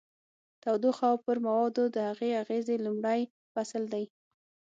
تودوخه او پر موادو د هغې اغیزې لومړی فصل دی.